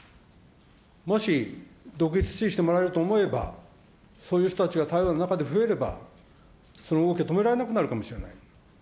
もし独立を支持してもらえると思えば、そういう人たちが台湾の中で増えれば、その動きを止められなくなるかもしれない。